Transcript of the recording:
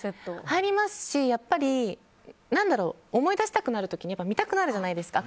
入りますし思い出したくなる時見たくなるじゃないですか。